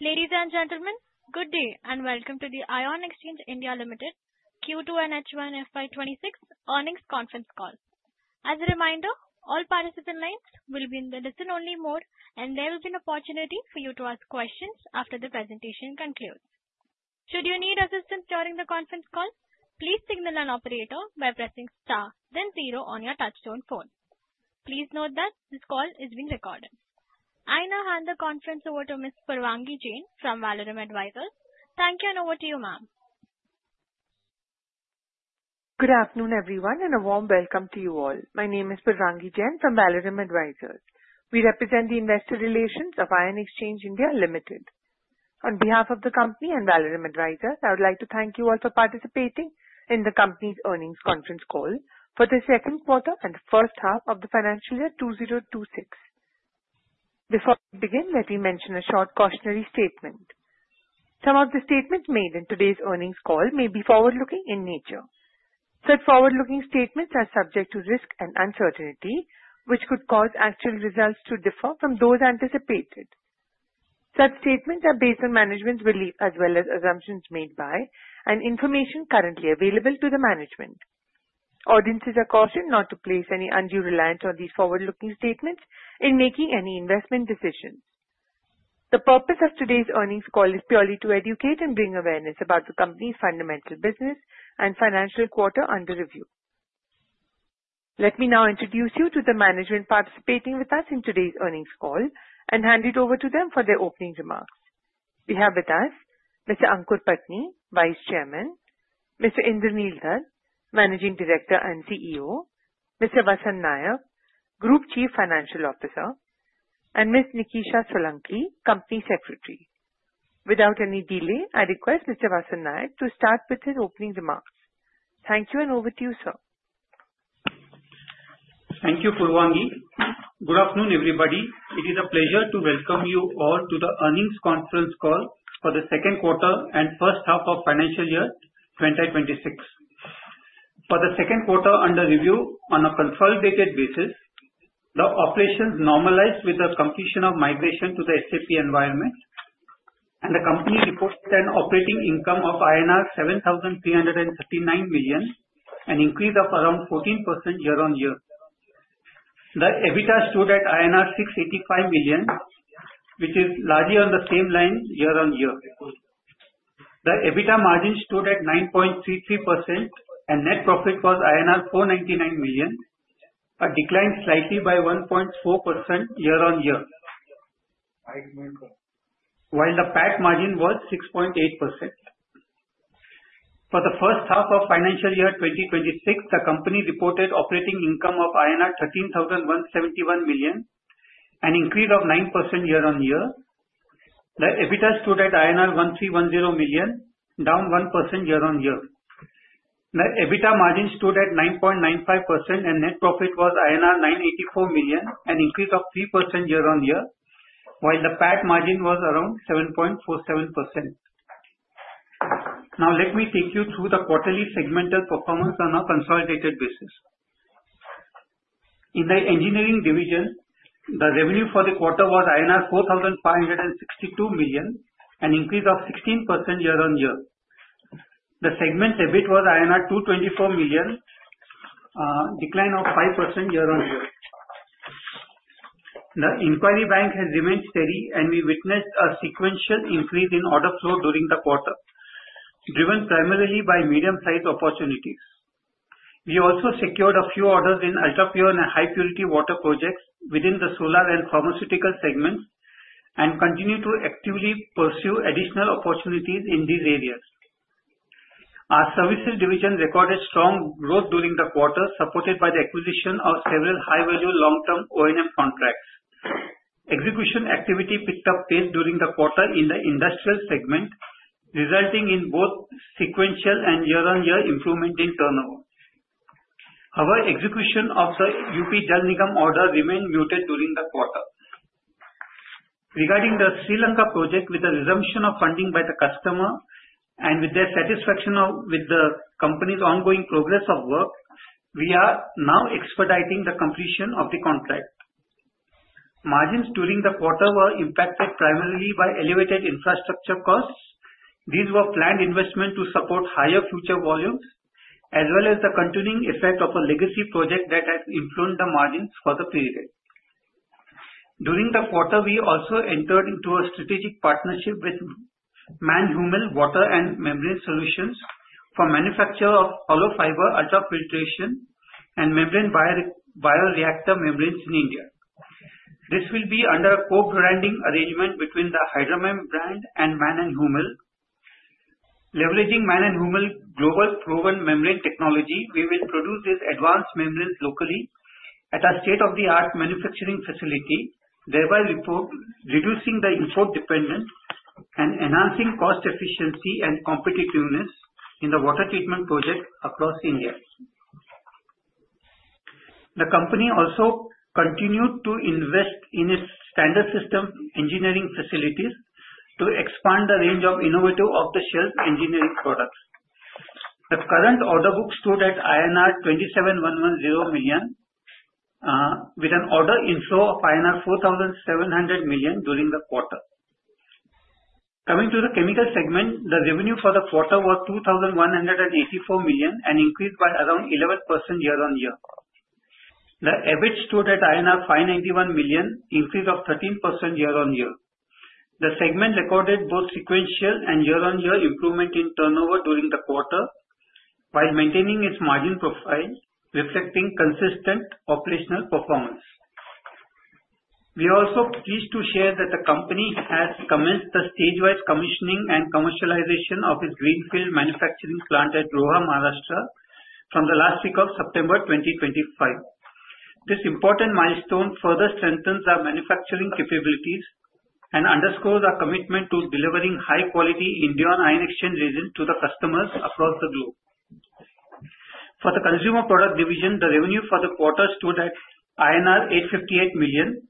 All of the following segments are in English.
Ladies and gentlemen, good day, and welcome to the Ion Exchange (India) Limited Q2 and H1 FY 2026 earnings conference call. As a reminder, all participants' lines will be in the listen-only mode, and there will be an opportunity for you to ask questions after the presentation concludes. Should you need assistance during the conference call, please signal an operator by pressing star then zero on your touchtone phone. Please note that this call is being recorded. I now hand the conference over to Ms. Purvangi Jain from Valorem Advisors. Thank you, and over to you, ma'am. Good afternoon, everyone, and a warm welcome to you all. My name is Purvangi Jain from Valorem Advisors. We represent the investor relations of Ion Exchange (India) Limited. On behalf of the company and Valorem Advisors, I would like to thank you all for participating in the company's earnings conference call for the second quarter and first half of the financial year 2026. Before we begin, let me mention a short cautionary statement. Some of the statements made in today's earnings call may be forward-looking in nature. Such forward-looking statements are subject to risk and uncertainty, which could cause actual results to differ from those anticipated. Such statements are based on management's belief as well as assumptions made by, and information currently available to the management. Audiences are cautioned not to place any undue reliance on these forward-looking statements in making any investment decisions. The purpose of today's earnings call is purely to educate and bring awareness about the company's fundamental business and financial quarter under review. Let me now introduce you to the management participating with us in today's earnings call, and hand it over to them for their opening remarks. We have with us Mr. Aankur Patni, Vice Chairman, Mr. Indraneel Dutt, Managing Director and CEO, Mr. Vasant Naik, Group Chief Financial Officer, and Ms. Nikisha Solanki, Company Secretary. Without any delay, I request Mr. Vasant Naik to start with his opening remarks. Thank you, and over to you, sir. Thank you, Purvangi. Good afternoon, everybody. It is a pleasure to welcome you all to the earnings conference call for the second quarter and first half of financial year 2026. For the second quarter under review on a consolidated basis, the operations normalized with the completion of migration to the SAP environment. The company reported an operating income of INR 7,339 million, an increase of around 14% year-on-year. The EBITDA stood at INR 685 million, which is largely on the same line year-on-year. The EBITDA margin stood at 9.33%, net profit was INR 499 million, a decline slightly by 1.4% year-on-year. While the PAT margin was 6.8%. For the first half of financial year 2026, the company reported operating income of INR 13,171 million, an increase of 9% year-on-year. The EBITDA stood at INR 1,310 million, down 1% year-on-year. The EBITDA margin stood at 9.95%, and net profit was INR 984 million, an increase of 3% year-on-year, while the PAT margin was around 7.47%. Now let me take you through the quarterly segmental performance on a consolidated basis. In the engineering division, the revenue for the quarter was INR 4,562 million, an increase of 16% year-on-year. The segment EBITDA was INR 224 million, a decline of 5% year-on-year. The inquiry bank has remained steady, and we witnessed a sequential increase in order flow during the quarter, driven primarily by medium-sized opportunities. We also secured a few orders in ultra-pure and high-purity water projects within the solar and pharmaceutical segments and continue to actively pursue additional opportunities in these areas. Our services division recorded strong growth during the quarter, supported by the acquisition of several high-value long-term O&M contracts. Execution activity picked up pace during the quarter in the industrial segment, resulting in both sequential and year-on-year improvement in turnover. Our execution of the UP Jal Nigam order remained muted during the quarter. Regarding the Sri Lanka project, with the resumption of funding by the customer and with their satisfaction with the company's ongoing progress of work, we are now expediting the completion of the contract. Margins during the quarter were impacted primarily by elevated infrastructure costs. These were planned investment to support higher future volumes as well as the continuing effect of a legacy project that has influenced the margins for the period. During the quarter, we also entered into a strategic partnership with MANN+HUMMEL Water and Membrane Solutions for manufacture of hollow fiber ultrafiltration and membrane bioreactor membranes in India. This will be under a co-branding arrangement between the HYDRAMEM brand and MANN+HUMMEL. Leveraging MANN+HUMMEL global proven membrane technology, we will produce these advanced membranes locally at our state-of-the-art manufacturing facility, thereby reducing the import dependence and enhancing cost efficiency and competitiveness in the water treatment project across India. The company also continued to invest in its standard system engineering facilities to expand the range of innovative off-the-shelf engineering products. The current order book stood at INR 27,110 million, with an order inflow of INR 4,700 million during the quarter. Coming to the chemical segment, the revenue for the quarter was 2,184 million, an increase by around 11% year-on-year. The EBIT stood at INR 591 million, increase of 13% year-on-year. The segment recorded both sequential and year-on-year improvement in turnover during the quarter, while maintaining its margin profile, reflecting consistent operational performance. We are also pleased to share that the company has commenced the stage-wide commissioning and commercialization of its greenfield manufacturing plant at Roha, Maharashtra from the last week of September 2025. This important milestone further strengthens our manufacturing capabilities and underscores our commitment to delivering high-quality Indian ion exchange resin to the customers across the globe. For the consumer product division, the revenue for the quarter stood at INR 858 million,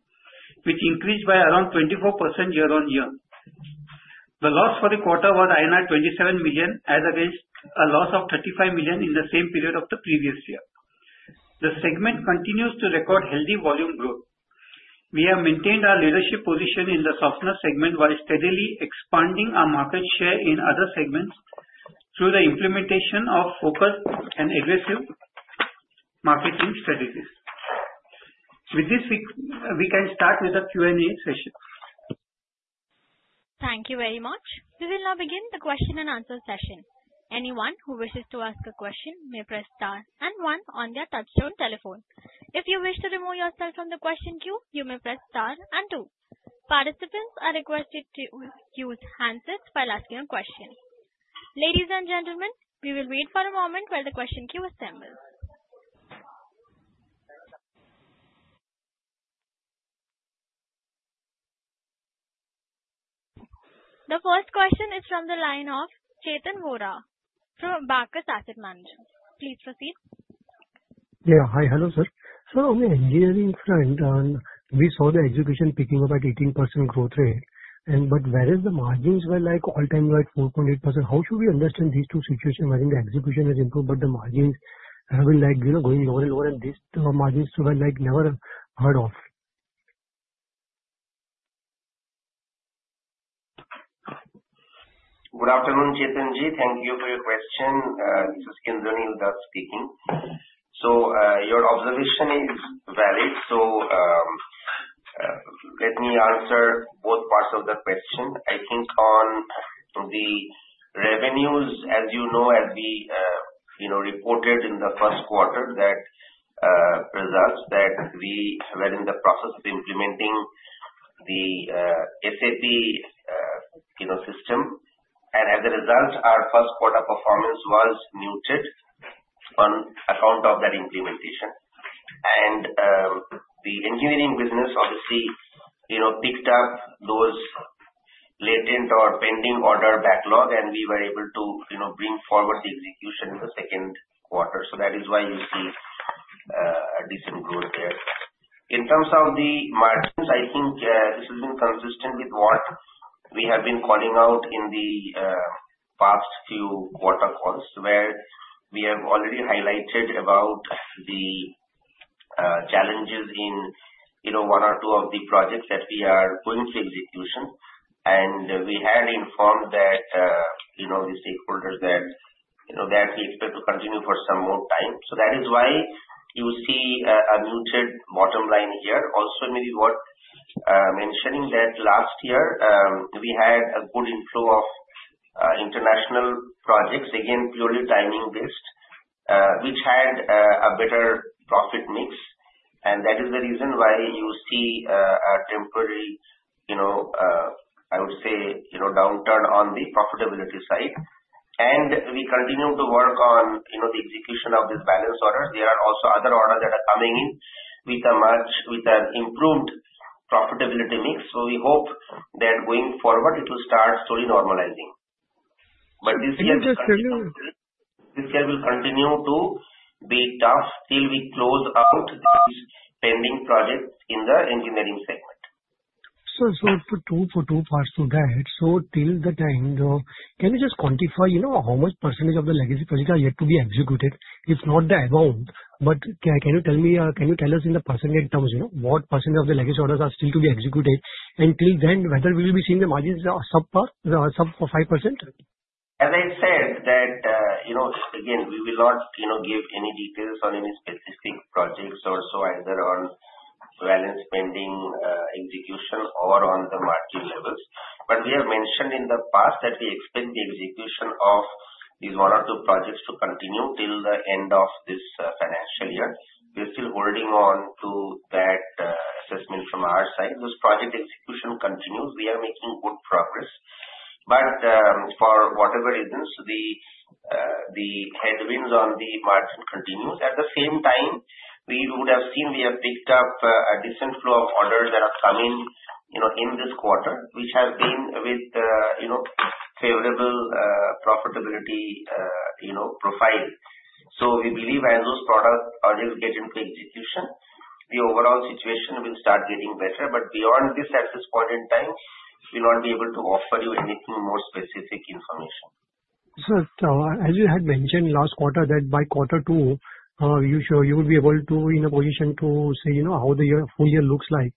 which increased by around 24% year-on-year. The loss for the quarter was INR 27 million, as against a loss of 35 million in the same period of the previous year. The segment continues to record healthy volume growth. We have maintained our leadership position in the softener segment while steadily expanding our market share in other segments through the implementation of focused and aggressive marketing strategies. With this, we can start with the Q&A session. Thank you very much. We will now begin the question and answer session. Anyone who wishes to ask a question may press star and one on their touchtone telephone. If you wish to remove yourself from the question queue, you may press star and two. Participants are requested to use handsets while asking a question. Ladies and gentlemen, we will wait for a moment while the question queue assembles. The first question is from the line of Chetan Vora from Barak Asset Management. Please proceed. Yeah. Hi. Hello, sir. Sir, on the engineering front, we saw the execution picking up at 18% growth rate, whereas the margins were all-time low at 4.8%. How should we understand these two situations wherein the execution has improved but the margins have been going lower and lower, and these margins were never heard of? Good afternoon, Chetan Ji. Thank you for your question. This is Indraneel Dutt speaking. Your observation is valid. Let me answer both parts of the question. I think on the revenues, as you know, as we reported in the first quarter, that we were in the process of implementing the SAP system. As a result, our first quarter performance was muted on account of that implementation. The engineering business, obviously, picked up those latent or pending order backlog, and we were able to bring forward the execution in the second quarter. That is why you see a decent growth there. In terms of the margins, I think this has been consistent with what we have been calling out in the past few quarter calls, where we have already highlighted about the challenges in one or two of the projects that we are going through execution. We had informed the stakeholders that we expect to continue for some more time. That is why you see a muted bottom line here. Also, maybe worth mentioning that last year, we had a good inflow of international projects, again, purely timing-based, which had a better profit mix. That is the reason why you see a temporary, I would say, downturn on the profitability side. We continue to work on the execution of this balance order. There are also other orders that are coming in with an improved profitability mix. We hope that going forward, it will start slowly normalizing. This year- Can I just- This year will continue to be tough till we close out these pending projects in the engineering segment. Sir, for two parts to that, till the time though, can you just quantify how much percentage of the legacy projects are yet to be executed? If not the amount, but can you tell us in the percentage terms, what percentage of the legacy orders are still to be executed? Till then, whether we will be seeing the margins sub 5%? As I said, again, we will not give any details on any specific projects or so, either on balance pending execution or on the margin levels. We have mentioned in the past that we expect the execution of these one or two projects to continue till the end of this financial year. We are still holding on to that assessment from our side. Those project execution continues. We are making good progress. For whatever reasons, the headwinds on the margin continues. At the same time, we would have seen we have picked up a decent flow of orders that have come in this quarter, which has been with favorable profitability profile. We believe as those products are getting to execution, the overall situation will start getting better. Beyond this, at this point in time, we will not be able to offer you anything more specific information. Sir, as you had mentioned last quarter, that by quarter 2 you will be in a position to say how the full year looks like.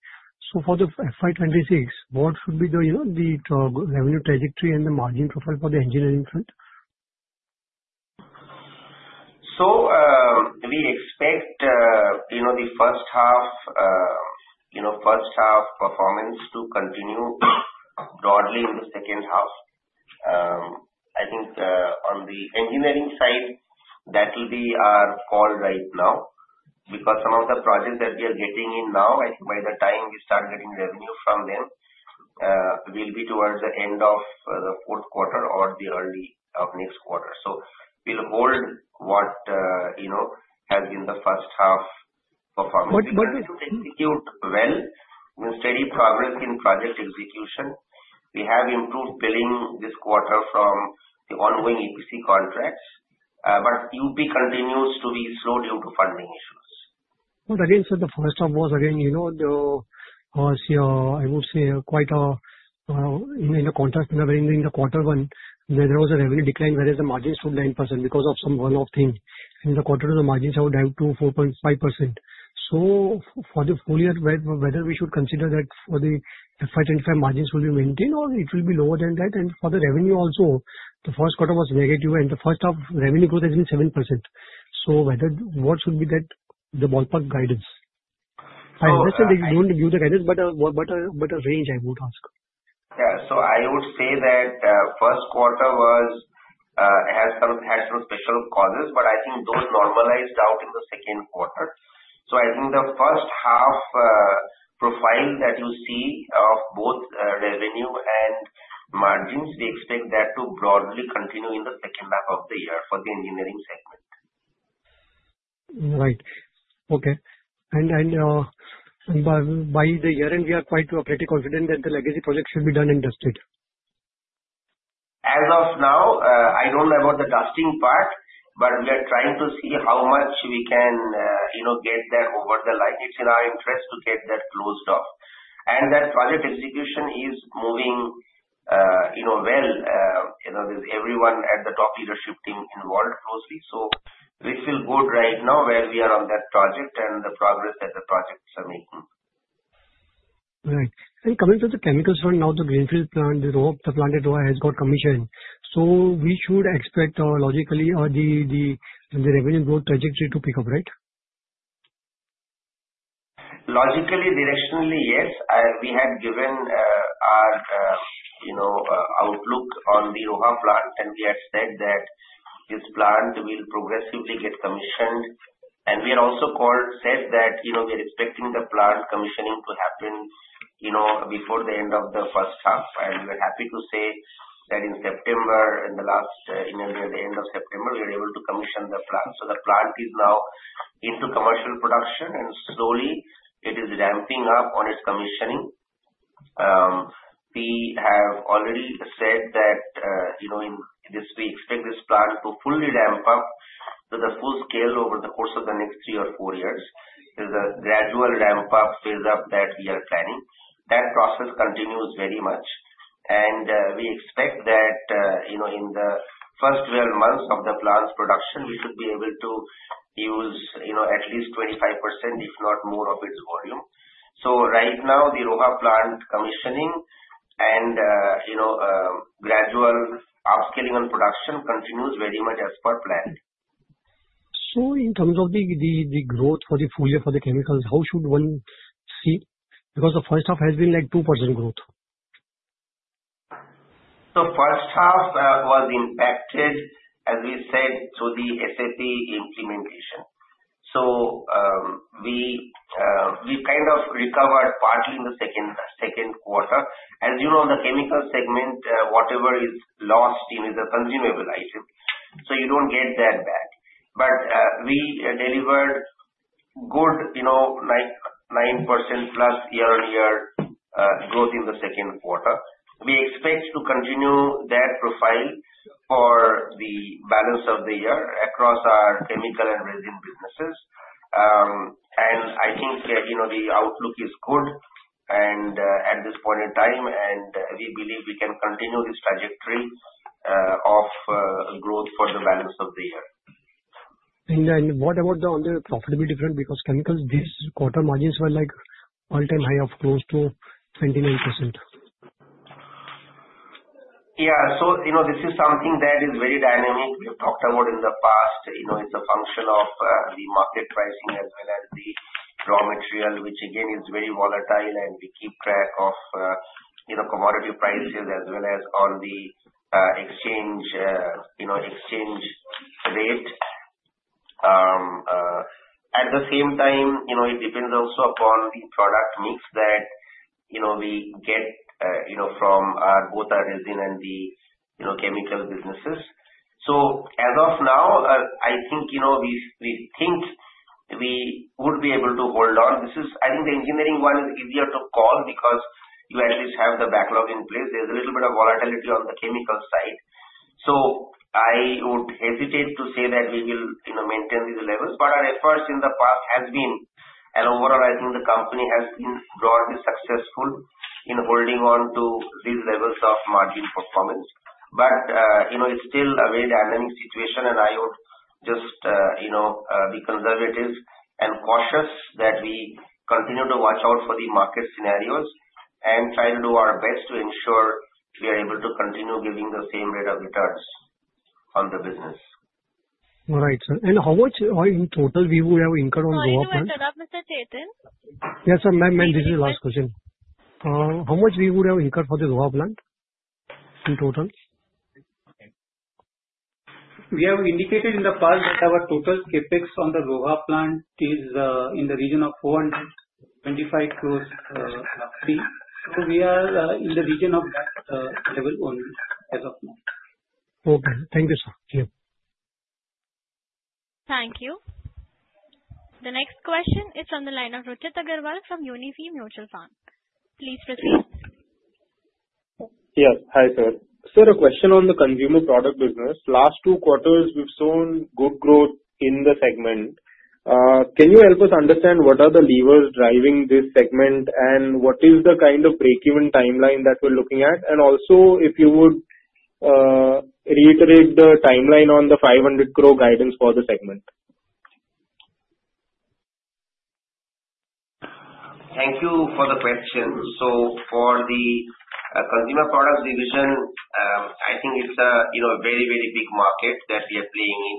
For the FY 2026, what should be the revenue trajectory and the margin profile for the engineering front? We expect the first half performance to continue broadly in the second half. I think on the engineering side, that will be our call right now, because some of the projects that we are getting in now, I think by the time we start getting revenue from them, will be towards the end of the fourth quarter or the early of next quarter. We will hold what has been the first half performance. But- Execute well with steady progress in project execution. We have improved billing this quarter from the ongoing EPC contracts. UP continues to be slow due to funding issues. Again, sir, the first half was again, I would say, in the contracts that are ending the quarter one, there was a revenue decline whereas the margins were 9% because of some one-off things. In the quarter, the margins are down to 4.5%. For the full year, whether we should consider that for the FY 2025 margins will be maintained or it will be lower than that? For the revenue also, the first quarter was negative and the first-half revenue growth has been 7%. What should be the ballpark guidance? I understand that you don't give the guidance, but a range, I would ask. Yeah. I would say that first quarter had some special causes, I think those normalized out in the second quarter. I think the first-half profile that you see of both revenue and margins, we expect that to broadly continue in the second half of the year for the engineering segment. Right. Okay. By the year-end, we are quite pretty confident that the legacy projects should be done and dusted? As of now, I don't know about the dusting part, we are trying to see how much we can get there over the life. It's in our interest to get that closed off. That project execution is moving well. There's everyone at the top leadership team involved closely. We feel good right now where we are on that project and the progress that the projects are making. Right. Coming to the chemicals front now, the greenfield plant, the Roha plant at Roha has got commissioned. We should expect logically the revenue growth trajectory to pick up, right? Logically, directionally, yes. We have given our outlook on the Roha plant, we had said that this plant will progressively get commissioned. We had also said that we are expecting the plant commissioning to happen before the end of the first half. We are happy to say that in September, in the end of September, we were able to commission the plant. The plant is now into commercial production, and slowly it is ramping up on its commissioning. We have already said that we expect this plant to fully ramp up to the full scale over the course of the next three or four years. There's a gradual ramp-up phase that we are planning. That process continues very much, we expect that in the first 12 months of the plant's production, we should be able to use at least 25%, if not more, of its volume. Right now, the Roha plant commissioning and gradual upscaling on production continues very much as per plan. In terms of the growth for the full year for the chemicals, how should one see it? Because the first half has been at 2% growth. First half was impacted, as we said, to the SAP implementation. We kind of recovered partly in the second quarter. As you know, the chemical segment, whatever is lost is a consumable item. You don't get that back. We delivered good 9%+ year-on-year growth in the second quarter. We expect to continue that profile for the balance of the year across our chemical and resin businesses. I think the outlook is good at this point in time, and we believe we can continue this trajectory of growth for the balance of the year. What about on the profitability front? Because chemicals this quarter margins were all-time high of close to 29%. This is something that is very dynamic. We've talked about in the past, it's a function of the market pricing as well as the raw material, which again, is very volatile and we keep track of commodity prices as well as on the exchange rate. At the same time, it depends also upon the product mix that we get from both our resin and the chemical businesses. As of now, We would be able to hold on. I think the engineering one is easier to call because you at least have the backlog in place. There's a little bit of volatility on the chemical side. I would hesitate to say that we will maintain these levels. Our efforts in the past has been, and overall, I think the company has been broadly successful in holding on to these levels of margin performance. It's still a very dynamic situation and I would just be conservative and cautious that we continue to watch out for the market scenarios and try to do our best to ensure we are able to continue giving the same rate of returns on the business. All right, sir. How much in total we would have incurred on Roha plant? Sorry, one more time, Mr. Jatin. Yes, ma'am. This is the last question. How much we would have incurred for the Roha plant in total? We have indicated in the past that our total CapEx on the Roha plant is in the region of 425 crores. We are in the region of that level only as of now. Okay. Thank you, sir. Thank you. The next question is on the line of Ruchit Agarwal from Union Mutual Fund. Please proceed. Yes. Hi, sir. Sir, a question on the consumer product business. Last two quarters, we've shown good growth in the segment. Can you help us understand what are the levers driving this segment and what is the kind of break-even timeline that we're looking at? If you would reiterate the timeline on the 500 crore guidance for the segment. Thank you for the question. For the consumer products division, I think it's a very, very big market that we are playing in.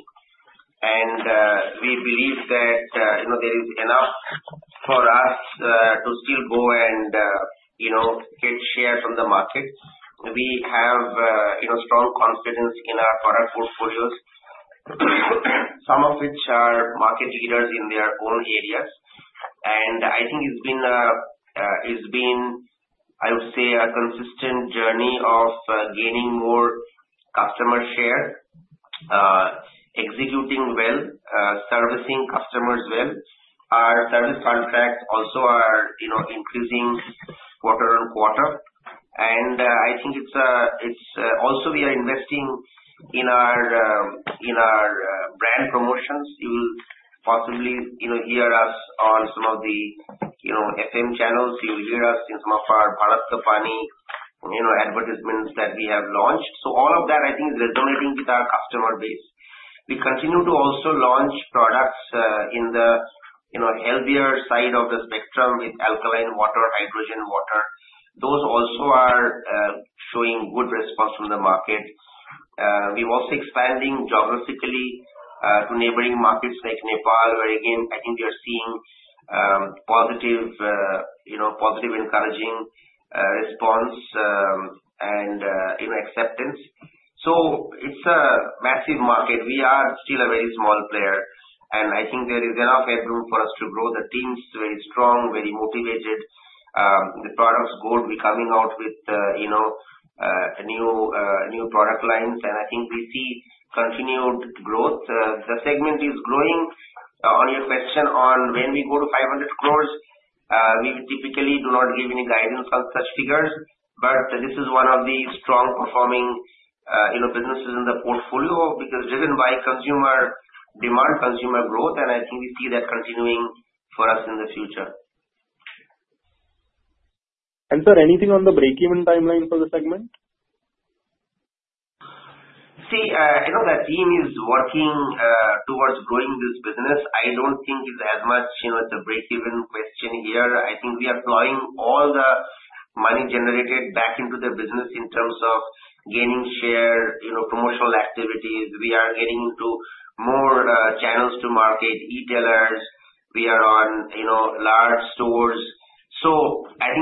We believe that there is enough for us to still go and get share from the market. We have strong confidence in our product portfolios, some of which are market leaders in their own areas. I think it's been, I would say, a consistent journey of gaining more customer share, executing well, servicing customers well. Our service contracts also are increasing quarter on quarter. I think also we are investing in our brand promotions. You'll possibly hear us on some of the FM channels. You'll hear us in some of our Bharat Ka Paani advertisements that we have launched. All of that I think is resonating with our customer base. We continue to also launch products in the healthier side of the spectrum with alkaline water, hydrogen water. Those also are showing good response from the market. We're also expanding geographically to neighboring markets like Nepal, where again, I think we are seeing positive, encouraging response and acceptance. It's a massive market. We are still a very small player, and I think there is enough headroom for us to grow. The team is very strong, very motivated. The products' good. We're coming out with new product lines, and I think we see continued growth. The segment is growing. On your question on when we go to 500 crores, we typically do not give any guidance on such figures. This is one of the strong performing businesses in the portfolio because driven by consumer demand, consumer growth, and I think we see that continuing for us in the future. Sir, anything on the break-even timeline for the segment? See, the team is working towards growing this business. I don't think it's as much the break-even question here. I think we are plowing all the money generated back into the business in terms of gaining share, promotional activities. We are getting into more channels to market, e-tailers. We are on large stores. I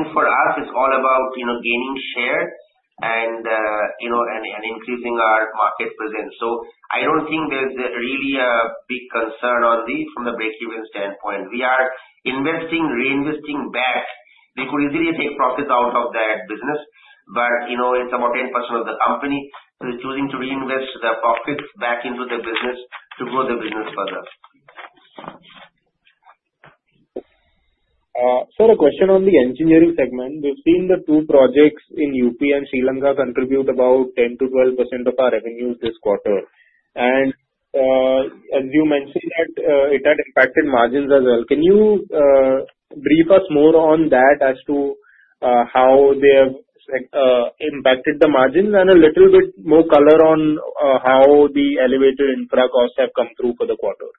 don't think there's really a big concern on this from the break-even standpoint. We are investing, reinvesting back. We could easily take profits out of that business, but it's about 10% of the company. We're choosing to reinvest the profits back into the business to grow the business further. Sir, a question on the engineering segment. We've seen the two projects in U.P. and Sri Lanka contribute about 10%-12% of our revenues this quarter. As you mentioned that it had impacted margins as well. Can you brief us more on that as to how they have impacted the margins and a little bit more color on how the elevated infra costs have come through for the quarter?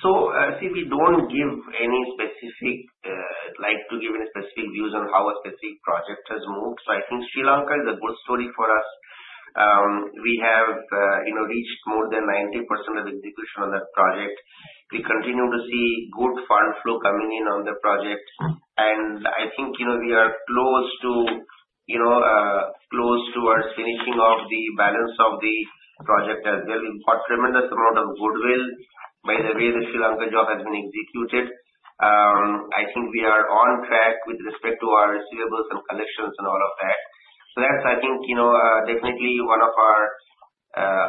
See, we don't like to give any specific views on how a specific project has moved. I think Sri Lanka is a good story for us. We have reached more than 90% of execution on that project. We continue to see good fund flow coming in on the project, and I think we are close towards finishing off the balance of the project as well. We've got tremendous amount of goodwill by the way the Sri Lanka job has been executed. I think we are on track with respect to our receivables and collections and all of that. That's, I think, definitely one of our,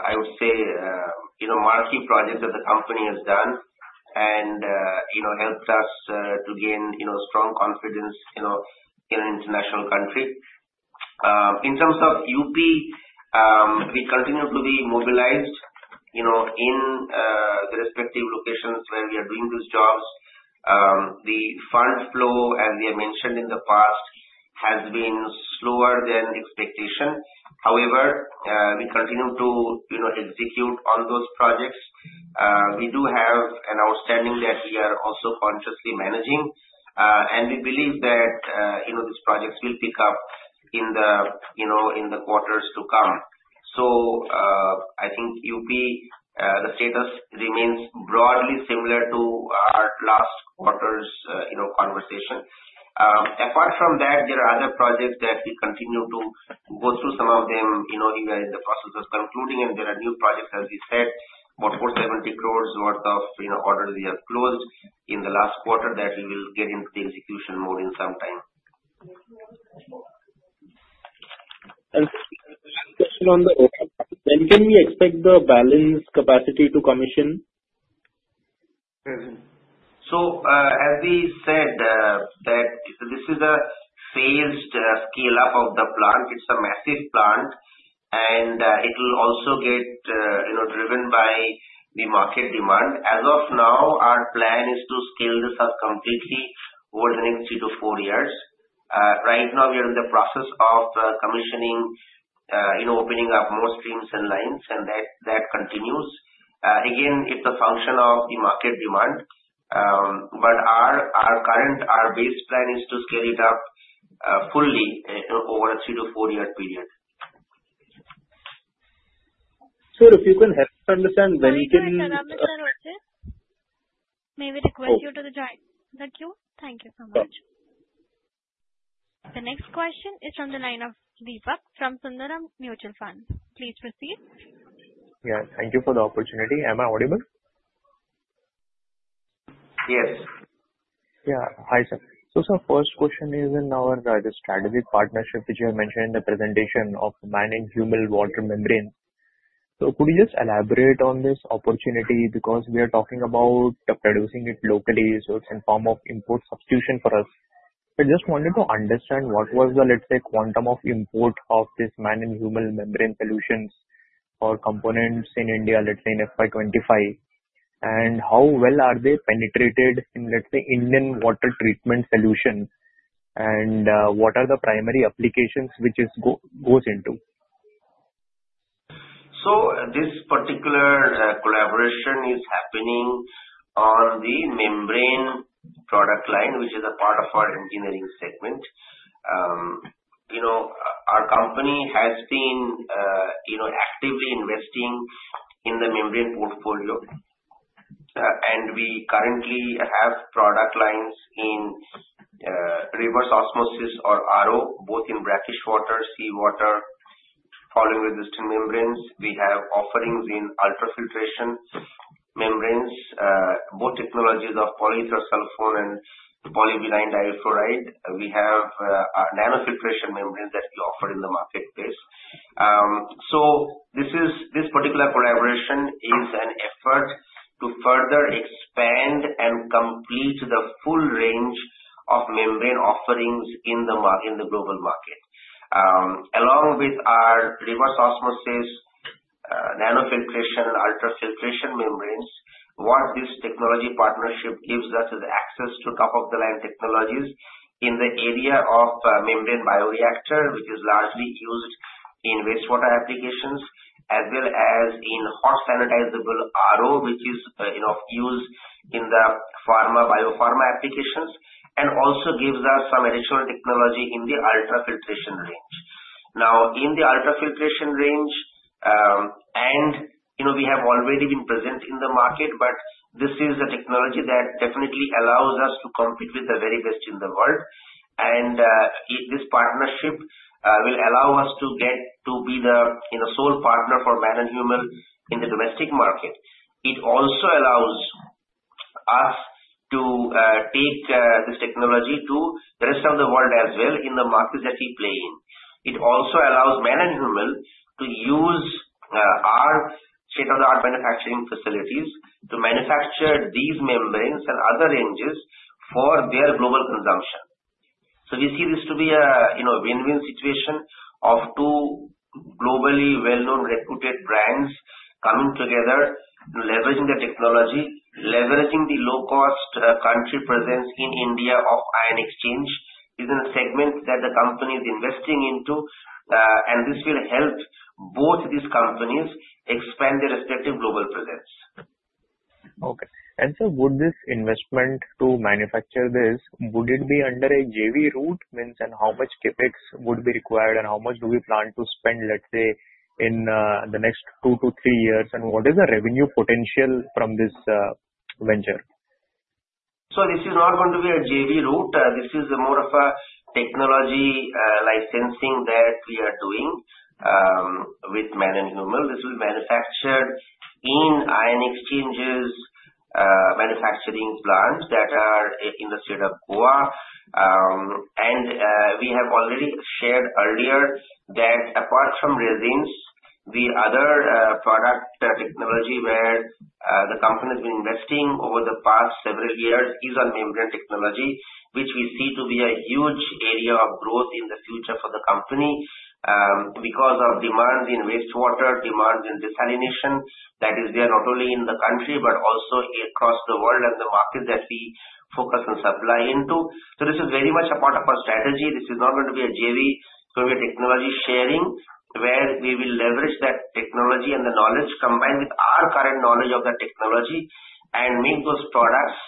I would say, marquee projects that the company has done and helps us to gain strong confidence in an international country. In terms of UP, we continue to be mobilized in the respective locations where we are doing these jobs. The fund flow, as we have mentioned in the past, has been slower than expectation. However, we continue to execute on those projects. We do have an outstanding that we are also consciously managing, and we believe that these projects will pick up in the quarters to come. I think UP, the status remains broadly similar to our last quarter's conversation. Apart from that, there are other projects that we continue to go through some of them, where the process is concluding, and there are new projects, as we said, about 470 crores worth of orders we have closed in the last quarter that we will get into the execution mode in some time. Question on the Roha. When can we expect the balance capacity to commission? As we said that this is a phased scale-up of the plant. It's a massive plant, and it will also get driven by the market demand. As of now, our plan is to scale this up completely over the next three to four years. Right now, we are in the process of commissioning, opening up more streams and lines, and that continues. Again, it's a function of the market demand. Our base plan is to scale it up fully over a three to four year period. Sir, if you can help us understand when we. Mr. Abhilash Agarwal, sir. May we request you to join the queue? Thank you so much. The next question is on the line of Deepak from Sundaram Mutual Fund. Please proceed. Yeah, thank you for the opportunity. Am I audible? Yes. Yeah. Hi, sir. Sir, first question is in our strategic partnership, which you have mentioned in the presentation of MANN+HUMMEL Water Membrane. Could you just elaborate on this opportunity? Because we are talking about producing it locally, so it's in form of import substitution for us. I just wanted to understand what was the, let's say, quantum of import of this MANN+HUMMEL Membrane Solutions or components in India, let's say in FY 2025. How well are they penetrated in, let's say, Indian water treatment solutions. What are the primary applications which this goes into? This particular collaboration is happening on the membrane product line, which is a part of our engineering segment. Our company has been actively investing in the membrane portfolio. We currently have product lines in reverse osmosis or RO, both in brackish water, seawater, foulant resistant membranes. We have offerings in ultrafiltration membranes, both technologies of polysulfone and polyvinylidene fluoride. We have nanofiltration membrane that we offer in the marketplace. This particular collaboration is an effort to further expand and complete the full range of membrane offerings in the global market. Along with our reverse osmosis, nanofiltration, ultrafiltration membranes, what this technology partnership gives us is access to top-of-the-line technologies in the area of membrane bioreactor, which is largely used in wastewater applications, as well as in hot sanitizable RO, which is used in the pharma, biopharma applications, and also gives us some additional technology in the ultrafiltration range. In the ultrafiltration range, we have already been present in the market, but this is a technology that definitely allows us to compete with the very best in the world. This partnership will allow us to get to be the sole partner for MANN+HUMMEL in the domestic market. It also allows us to take this technology to the rest of the world as well in the markets that we play in. It also allows MANN+HUMMEL to use our state-of-the-art manufacturing facilities to manufacture these membranes and other ranges for their global consumption. We see this to be a win-win situation of two globally well-known, reputed brands coming together, leveraging the technology, leveraging the low-cost country presence in India of Ion Exchange. This is a segment that the company is investing into, and this will help both these companies expand their respective global presence. Sir, would this investment to manufacture this, would it be under a JV route? How much CapEx would be required, and how much do we plan to spend, let's say, in the next two to three years? What is the revenue potential from this venture? This is not going to be a JV route. This is more of a technology licensing that we are doing with MANN+HUMMEL. This will be manufactured in Ion Exchange's Manufacturing plants that are in the state of Goa. We have already shared earlier that apart from resins, the other product technology where the company's been investing over the past several years is on membrane technology, which we see to be a huge area of growth in the future for the company because of demand in wastewater, demand in desalination, that is there not only in the country, but also across the world and the market that we focus on supply into. This is very much a part of our strategy. This is not going to be a JV. We are technology sharing, where we will leverage that technology and the knowledge combined with our current knowledge of the technology and make those products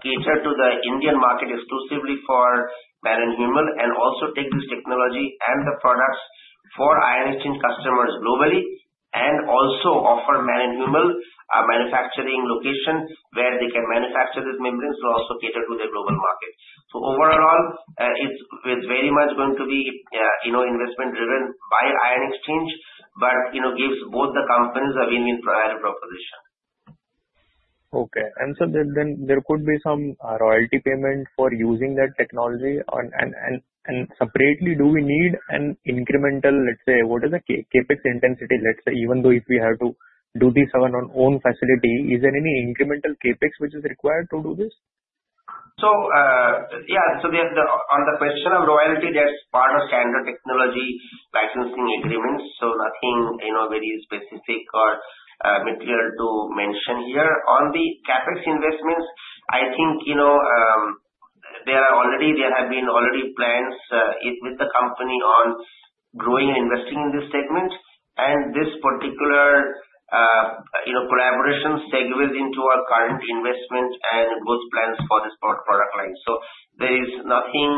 cater to the Indian market exclusively for MANN+HUMMEL, and also take this technology and the products for Ion Exchange customers globally, and also offer MANN+HUMMEL a manufacturing location where they can manufacture these membranes to also cater to the global market. Overall, it's very much going to be investment-driven by Ion Exchange, but gives both the companies a win-win proposition. Okay. There could be some royalty payment for using that technology. Separately, do we need an incremental, let's say, what is the CapEx intensity, let's say, even though if we have to do this on our own facility, is there any incremental CapEx which is required to do this? On the question of royalty, that's part of standard technology licensing agreements. Nothing very specific or material to mention here. On the CapEx investments, I think, there have been already plans with the company on growing and investing in this segment. This particular collaboration segues into our current investments and growth plans for this product line. There is nothing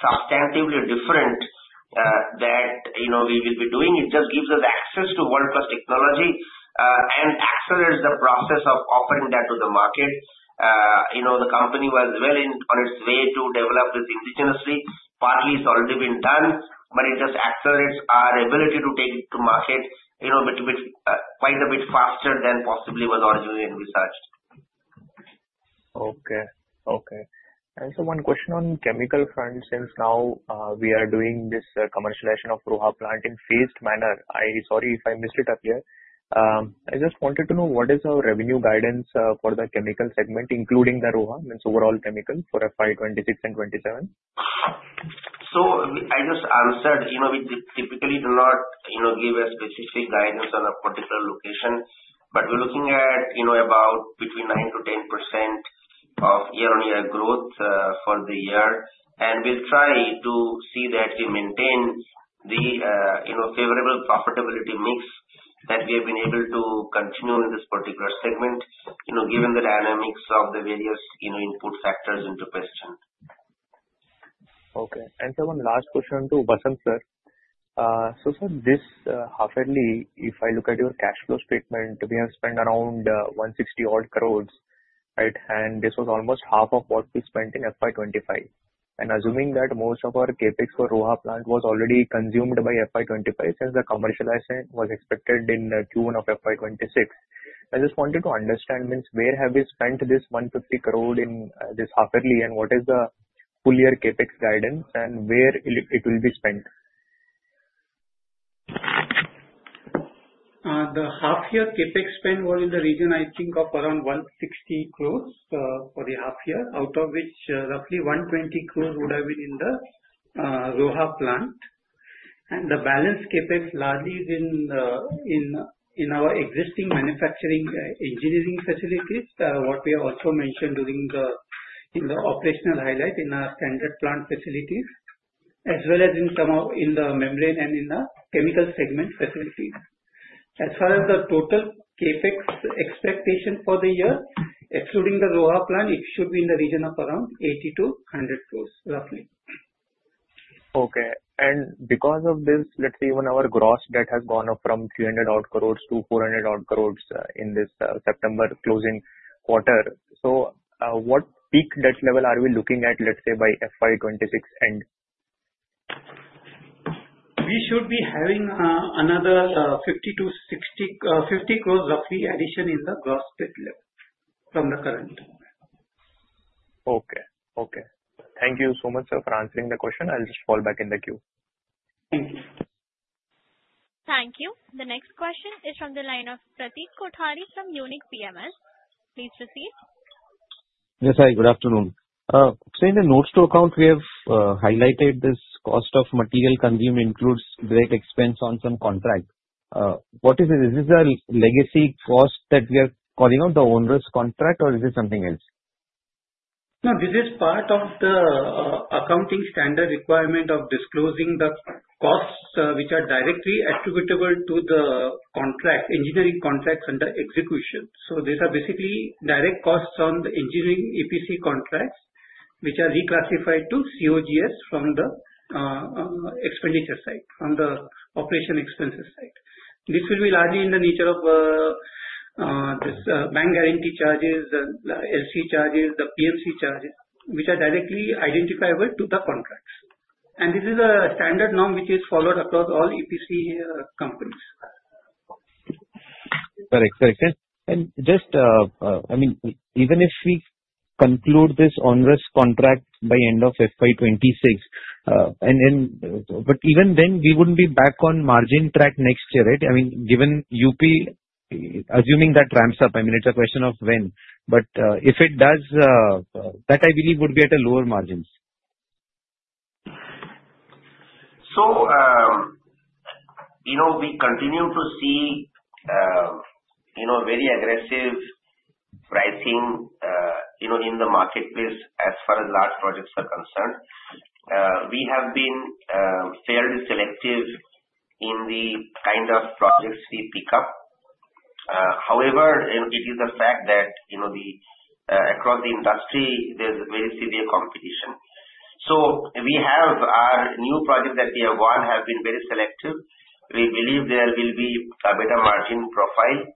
substantively different that we will be doing. It just gives us access to world-class technology and accelerates the process of offering that to the market. The company was well on its way to develop this indigenously. Partly it's already been done, but it just accelerates our ability to take it to market quite a bit faster than possibly was originally envisaged. Okay. One question on chemical front, since now we are doing this commercialization of Roha plant in phased manner. Sorry if I missed it up here. I just wanted to know what is our revenue guidance for the chemical segment, including the Roha, means overall chemical for FY 2026 and 2027. I just answered, we typically do not give a specific guidance on a particular location, but we're looking at about between 9%-10% of year-over-year growth for the year. We'll try to see that we maintain the favorable profitability mix that we have been able to continue in this particular segment, given the dynamics of the various input factors into question. Okay. Sir, one last question to Vasan, sir. Sir, this half-yearly, if I look at your cash flow statement, we have spent around 160 odd crore. Right? This was almost half of what we spent in FY 2025. Assuming that most of our CapEx for Roha plant was already consumed by FY 2025, since the commercialization was expected in Q1 of FY 2026. I just wanted to understand, where have we spent this 150 crore in this half-yearly, and what is the full-year CapEx guidance and where it will be spent? The half-year CapEx spend was in the region, I think, of around 160 crore for the half year, out of which roughly 120 crore would have been in the Roha plant. The balance CapEx largely is in our existing manufacturing engineering facilities, what we have also mentioned during the operational highlight in our standard plant facilities, as well as in the membrane and in the chemical segment facilities. As far as the total CapEx expectation for the year, excluding the Roha plant, it should be in the region of around 80 crore-100 crore, roughly. Okay. Because of this, let's say even our gross debt has gone up from 300 odd crore to 400 odd crore in this September closing quarter. What peak debt level are we looking at, let's say by FY 2026 end? We should be having another 50 crores roughly addition in the gross debt level from the current level. Okay. Thank you so much, sir, for answering the question. I'll just fall back in the queue. Thank you. Thank you. The next question is from the line of Pratik Kothari from Unique PMS. Please proceed. Yes, hi, good afternoon. Sir, in the notes to account, we have highlighted this cost of material consumed includes onerous expense on some contract. What is it? Is this a legacy cost that we are calling out the onerous contract, or is it something else? No, this is part of the accounting standard requirement of disclosing the costs which are directly attributable to the engineering contracts under execution. These are basically direct costs on the engineering EPC contracts, which are reclassified to COGS from the expenditure side, from the operating expenses side. This will be largely in the nature of this bank guarantee charges, the LC charges, the PMC charges, which are directly identifiable to the contracts. This is a standard norm which is followed across all EPC companies. Correct. Just, even if we conclude this onerous contract by end of FY 2026, even then we wouldn't be back on margin track next year, right? Given UP, assuming that ramps up, it's a question of when, if it does, that I believe would be at a lower margins. We continue to see very aggressive pricing in the marketplace as far as large projects are concerned. We have been fairly selective in the kind of projects we pick up. However, it is a fact that across the industry, there's very severe competition. We have our new projects that we have won have been very selective. We believe there will be a better margin profile.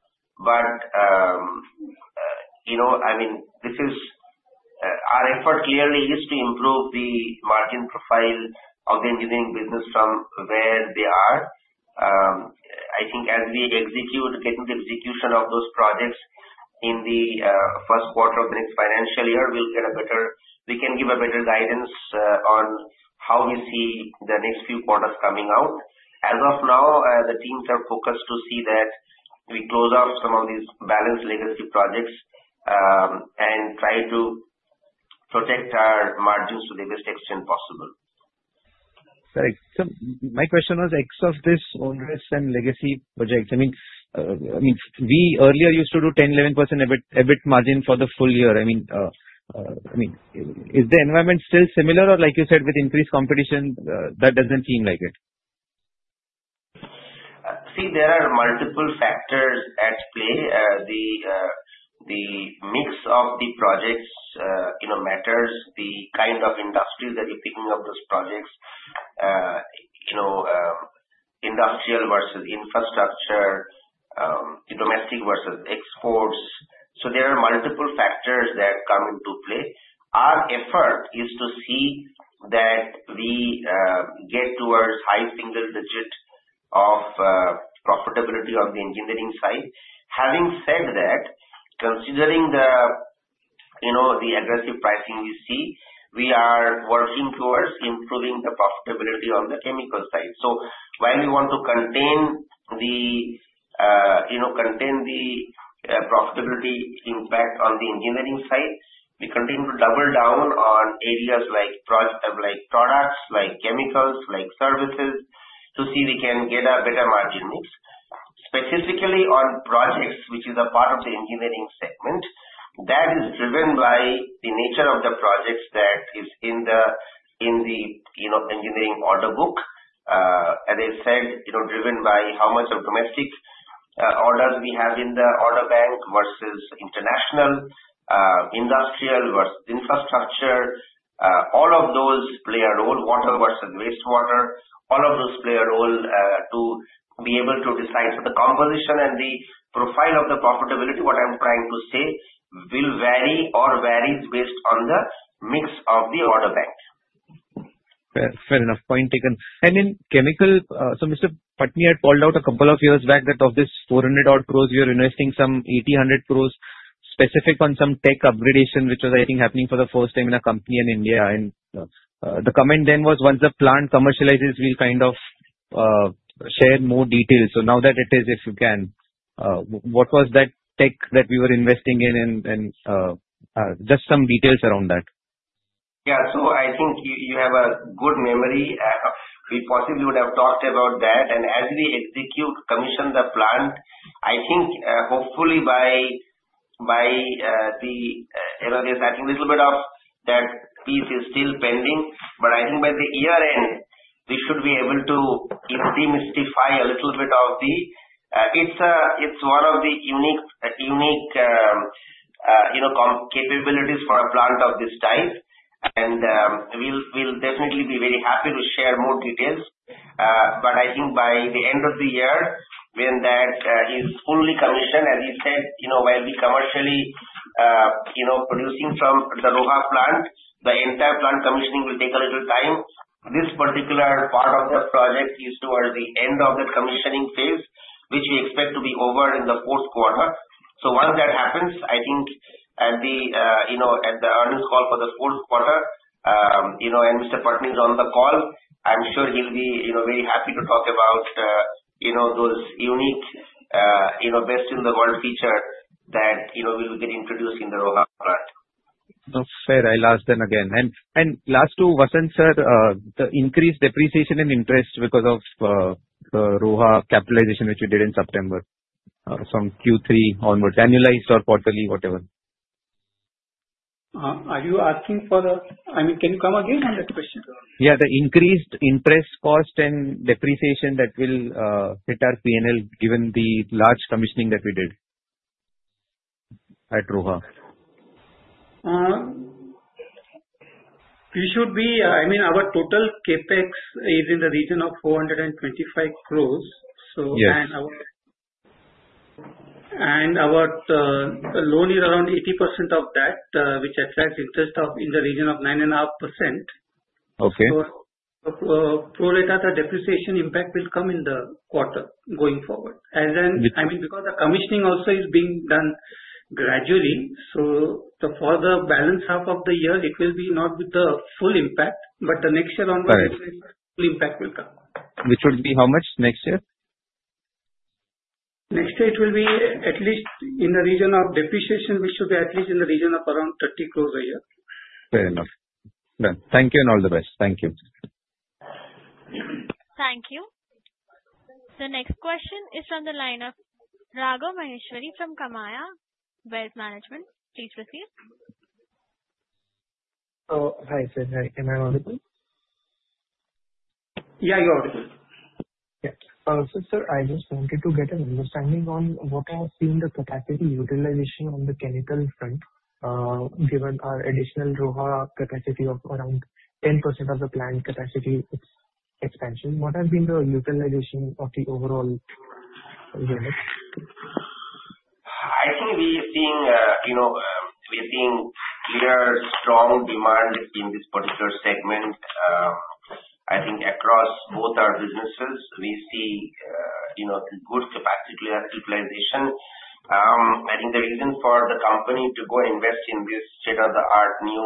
Our effort clearly is to improve the margin profile of the engineering business from where they are. I think as we execute, getting the execution of those projects in the first quarter of next financial year, we can give a better guidance on how we see the next few quarters coming out. As of now, the teams are focused to see that we close out some of these balanced legacy projects, and try to protect our margins to the best extent possible. Right. Sir, my question was X of this onerous and legacy projects. We earlier used to do 10%, 11% EBIT margin for the full year. Is the environment still similar or like you said, with increased competition, that doesn't seem like it. See, there are multiple factors at play. The mix of the projects matters, the kind of industries that we're picking up those projects, industrial versus infrastructure, domestic versus exports. There are multiple factors that come into play. Our effort is to see that we get towards high single digit of profitability on the engineering side. Having said that, considering the aggressive pricing you see, we are working towards improving the profitability on the chemical side. While we want to contain the profitability impact on the engineering side, we continue to double down on areas like products, like chemicals, like services to see we can get a better margin mix. Specifically on projects, which is a part of the engineering segment, that is driven by the nature of the projects that is in the engineering order book. As I said, driven by how much of domestic orders we have in the order bank versus international, industrial versus infrastructure, all of those play a role. Water versus wastewater, all of those play a role to be able to decide. The composition and the profile of the profitability, what I'm trying to say, will vary or varies based on the mix of the order bank. Fair enough. Point taken. In chemical, Mr. Patni had called out a couple of years back that of this 400 odd crores, we are investing some 80 crores, 100 crores specific on some tech upgradation, which was I think happening for the first time in a company in India. The comment then was once the plant commercializes, we'll kind of share more details. Now that it is, if you can, what was that tech that we were investing in and just some details around that. Yeah. I think you have a good memory. We possibly would have talked about that. As we execute, commission the plant, I think, hopefully by the, there's I think a little bit of that piece is still pending, but I think by the year-end, we should be able to demystify a little bit of the. It's one of the unique capabilities for a plant of this type, and we'll definitely be very happy to share more details. I think by the end of the year, when that is fully commissioned, as you said, when we commercially producing from the Roha plant. The entire plant commissioning will take a little time. This particular part of the project is towards the end of the commissioning phase, which we expect to be over in the fourth quarter. Once that happens, I think at the earnings call for the fourth quarter, and Mr. Patni is on the call, I'm sure he'll be very happy to talk about those unique best-in-the-world feature that we will be introducing the Roha plant. No, fair. I'll ask then again. Last two, Vasant sir, the increased depreciation in interest because of Roha capitalization, which you did in September. From Q3 onwards, annualized or quarterly, whatever. Are you asking for the. Can you come again on that question? The increased interest cost and depreciation that will hit our P&L given the large commissioning that we did at Roha. Our total CapEx is in the region of 425 crores. Yes. Our loan is around 80% of that, which attracts interest in the region of 9.5%. Okay. Pro rata, the depreciation impact will come in the quarter going forward. Because the commissioning also is being done gradually, for the balance half of the year, it will be not with the full impact, but the next year onwards. Right the full impact will come. Which will be how much next year? Next year it will be at least in the region of depreciation, which should be at least in the region of around 30 crores a year. Fair enough. Done. Thank you and all the best. Thank you. Thank you. The next question is from the line of Raghav Maheshwari from Kamaya Wealth Management. Please proceed. Hi, sir. Am I audible? Yeah, you're audible. Yeah. sir, I just wanted to get an understanding on what has been the capacity utilization on the chemical front. Given our additional Roha capacity of around 10% of the plant capacity expansion, what has been the utilization of the overall unit? I think we are seeing clear, strong demand in this particular segment. I think across both our businesses, we see good capacity utilization. I think the reason for the company to go invest in this state-of-the-art new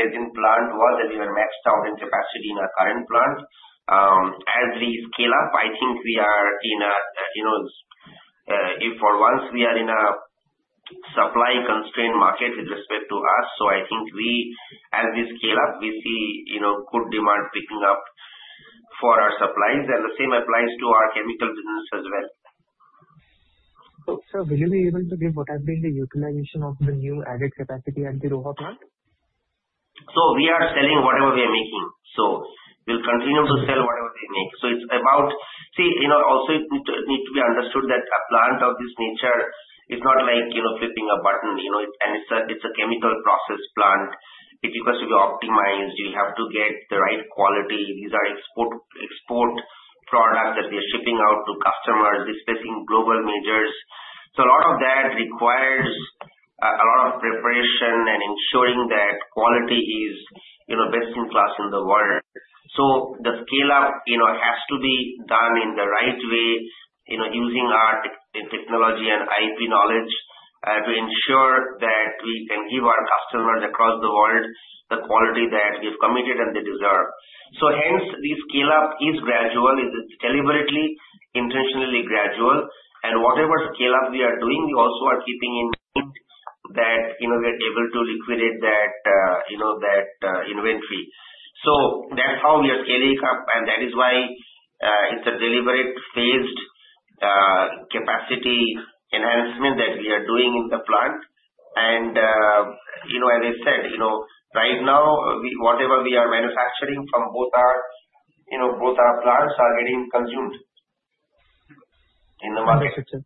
resin plant was that we were maxed out in capacity in our current plant. As we scale up, I think we are in a supply-constrained market with respect to us. I think as we scale up, we see good demand picking up for our supplies and the same applies to our chemical business as well. Sir, will you be able to give what has been the utilization of the new added capacity at the Roha plant? We are selling whatever we are making. We'll continue to sell whatever we make. See, also it need to be understood that a plant of this nature is not like flipping a button. It's a chemical process plant. It requires to be optimized. You have to get the right quality. These are export products that we are shipping out to customers. We're facing global majors. A lot of that requires a lot of preparation and ensuring that quality is best in class in the world. The scale-up has to be done in the right way, using our technology and IP knowledge to ensure that we can give our customers across the world the quality that we've committed and they deserve. Hence, the scale-up is gradual. It's deliberately, intentionally gradual. Whatever scale-up we are doing, we also are keeping in mind that we are able to liquidate that inventory. That's how we are scaling up, and that is why it's a deliberate phased capacity enhancement that we are doing in the plant. As I said, right now, whatever we are manufacturing from both our plants are getting consumed in the market. Okay.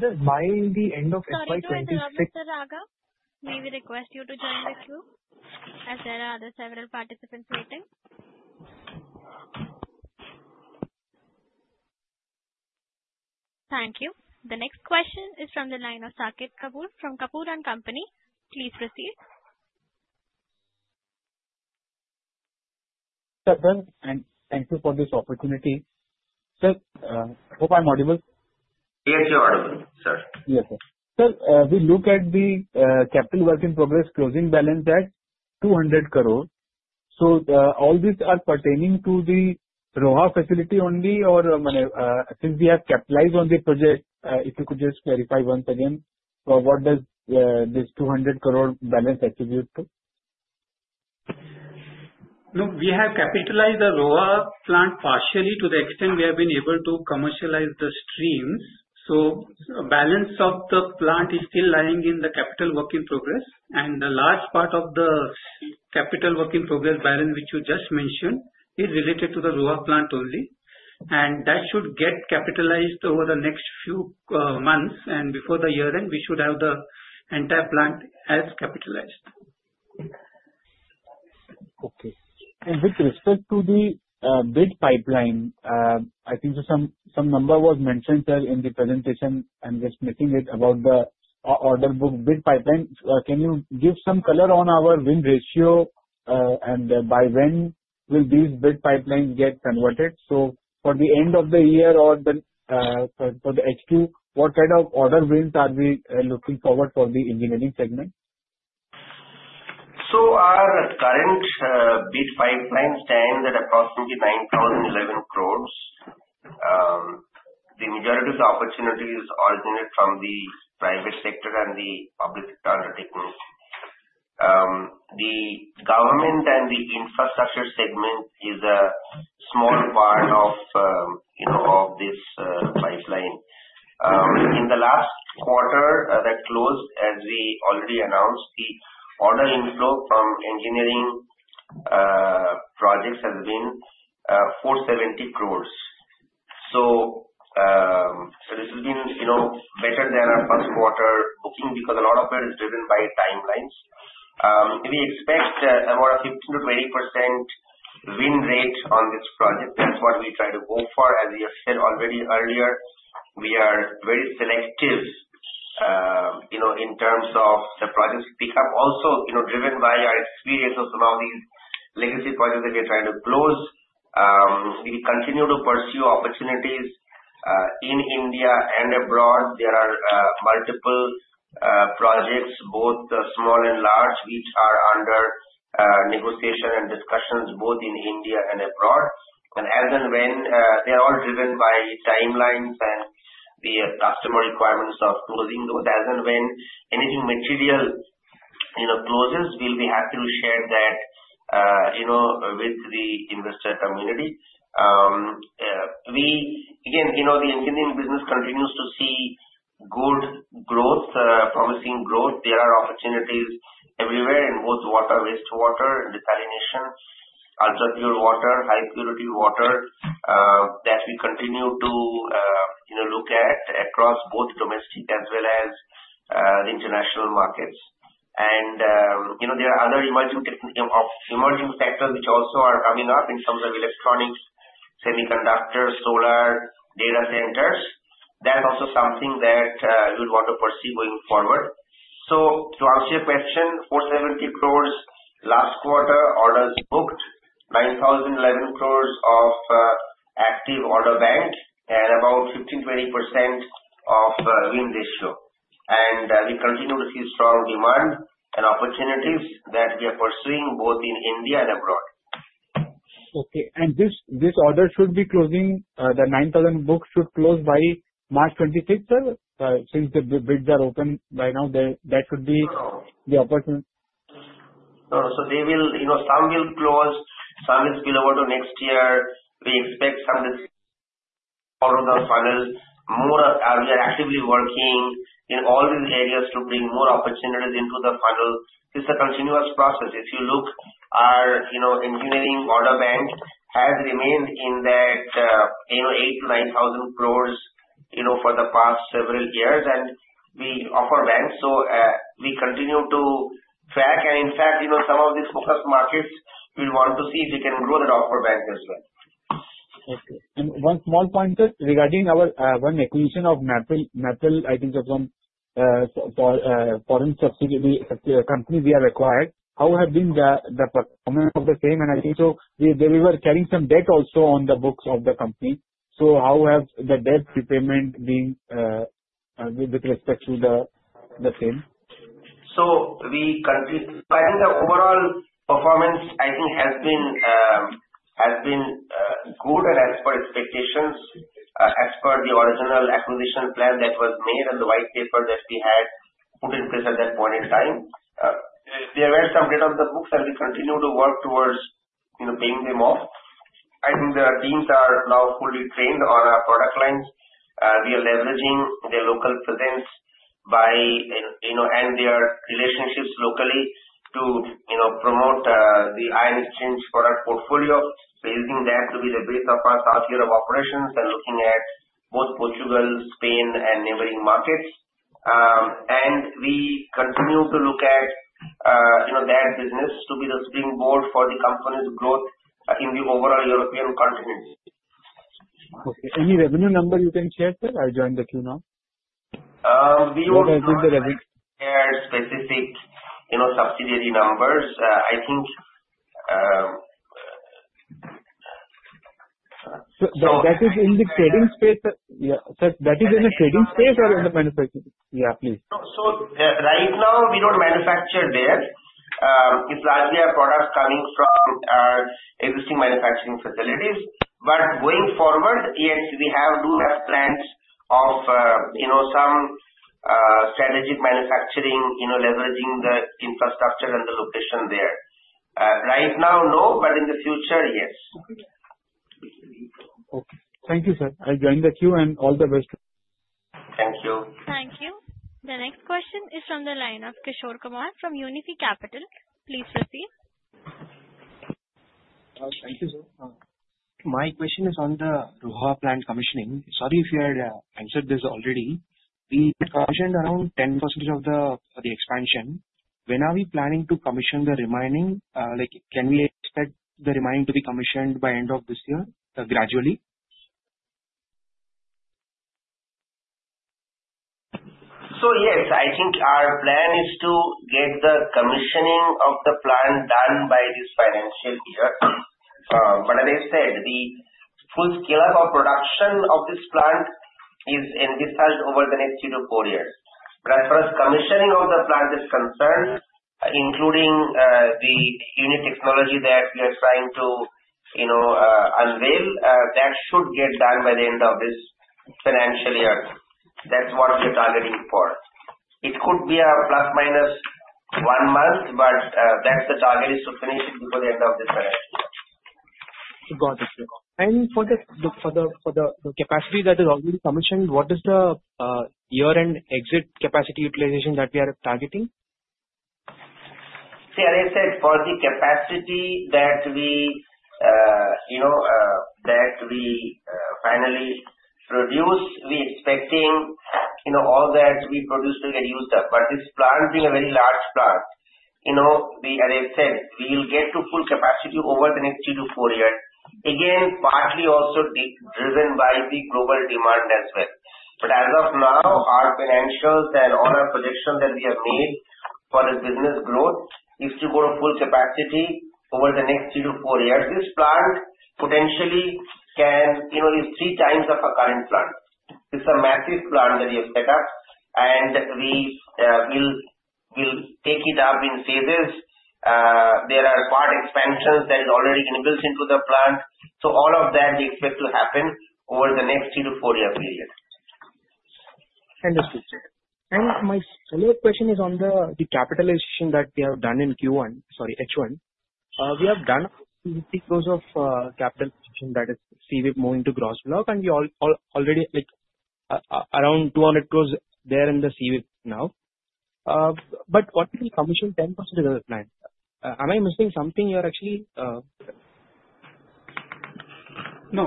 Just by the end of FY 2026. Sorry to interrupt you, Mr. Raghav. May we request you to join the queue as there are other several participants waiting? Thank you. The next question is from the line of Saket Kapoor from Kapoor & Company. Please proceed. Sir, thank you for this opportunity. Sir, hope I'm audible. Yes, you're audible, sir. Yes, sir. Sir, we look at the Capital Work in Progress closing balance at 200 crore. All these are pertaining to the Roha facility only or since we have capitalized on the project, if you could just clarify once again, what does this 200 crore balance attribute to? Look, we have capitalized the Roha plant partially to the extent we have been able to commercialize the streams. The balance of the plant is still lying in the Capital Work in Progress, and the large part of the Capital Work in Progress balance, which you just mentioned, is related to the Roha plant only. That should get capitalized over the next few months and before the year end, we should have the entire plant as capitalized. Okay. With respect to the bid pipeline, I think some number was mentioned, sir, in the presentation. I'm just missing it about the order book bid pipeline. Can you give some color on our win ratio? By when will these bid pipelines get converted? For the end of the year or for the H2, what kind of order wins are we looking forward for the engineering segment? Our current bid pipeline stands at approximately 9,011 crore. The majority of the opportunities originate from the private sector and the public sector undertakings. The government and the infrastructure segment is a small part of this pipeline. In the last quarter that closed, as we already announced, the order inflow from engineering projects has been 470 crore. This has been better than our first quarter booking because a lot of that is driven by timelines. We expect around 15%-20% win rate on this project. That's what we try to go for. As we have said already earlier, we are very selective in terms of the projects pick up. Driven by our experience of some of these legacy projects that we are trying to close. We continue to pursue opportunities in India and abroad. There are multiple projects, both small and large, which are under negotiation and discussions both in India and abroad. As and when they are all driven by timelines and the customer requirements of closing those, as and when anything material closes, we'll be happy to share that with the investor community. The engineering business continues to see good growth, promising growth. There are opportunities everywhere in both water, wastewater, and desalination, ultra-pure water, high-purity water that we continue to look at across both domestic as well as the international markets. There are other emerging sectors which also are coming up in terms of electronics, semiconductors, solar, data centers. That's also something that we'll want to pursue going forward. To answer your question, 470 crore last quarter orders booked, 9,011 crore of active order bank at about 15%-20% of win ratio. We continue to see strong demand and opportunities that we are pursuing both in India and abroad. Okay. This order should be closing, the 9,000 crore order book should close by March 26th, sir? Since the bids are open by now, that should be the opportunity. No. Some will close, some will spill over to next year. We expect some of it more of the funnel. We are actively working in all these areas to bring more opportunities into the funnel. It's a continuous process. If you look our engineering order bank has remained in that 8,000-9,000 crore for the past several years, and we order banks. We continue to track and in fact some of these focused markets will want to see if we can grow the order bank as well. Okay. One small point, sir. Regarding our one acquisition of Maple, I think from foreign subsidiary company we have acquired, how have been the performance of the same? I think so we were carrying some debt also on the books of the company. How has the debt repayment been with respect to the same? I think the overall performance has been good and as per expectations, as per the original acquisition plan that was made and the white paper that we had put in place at that point in time. There were some debt off the books, and we continue to work towards paying them off. I think the teams are now fully trained on our product lines. We are leveraging their local presence and their relationships locally to promote the Ion Exchange product portfolio. Using that to be the base of our South Europe operations and looking at both Portugal, Spain, and neighboring markets. We continue to look at their business to be the springboard for the company's growth in the overall European continent. Okay. Any revenue number you can share, sir? I join the queue now. We don't share specific subsidiary numbers. Sir, that is in the trading space or in the manufacturing? Yeah, please. Right now, we don't manufacture there. It's largely a product coming from our existing manufacturing facilities. Going forward, yes, we do have plans of some strategic manufacturing, leveraging the infrastructure and the location there. Right now, no, but in the future, yes. Okay. Thank you, sir. I join the queue and all the best. Thank you. Thank you. The next question is from the line of Kishore Kumar from Unifi Capital. Please proceed. Thank you, sir. My question is on the Roha plant commissioning. Sorry if you had answered this already. We had commissioned around 10% of the expansion. When are we planning to commission the remaining? Can we expect the remaining to be commissioned by end of this year, gradually? Yes, I think our plan is to get the commissioning of the plant done by this financial year. As I said, the full scale of production of this plant is envisaged over the next three to four years. As far as commissioning of the plant is concerned, including the unit technology that we are trying to unveil, that should get done by the end of this financial year. That's what we are targeting for. It could be a plus minus one month, but that's the target, is to finish it before the end of this financial year. Got it. For the capacity that is already commissioned, what is the year-end exit capacity utilization that we are targeting? See, as I said, for the capacity that we fully produce. We're expecting all that we produce to get used up, this plant being a very large plant, as I said, we will get to full capacity over the next 3 to 4 years. Partly also driven by the global demand as well. As of now, our financials and all our projections that we have made for the business growth is to go to full capacity over the next 3 to 4 years. This plant potentially can do 3 times of our current plant. It's a massive plant that we have set up, and we'll take it up in phases. There are part expansions that is already inbuilt into the plant. All of that we expect to happen over the next 3 to 4-year period. Understood, sir. My follow-up question is on the capitalization that we have done in Q1, sorry, H1. We have done INR 50 crores of capital, which that is CWIP moving to gross block, we already around 200 crores there in the CWIP now. What will commission 10% development? Am I missing something here actually? No.